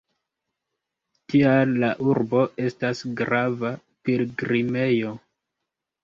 Tial la urbo estas grava pilgrimejo.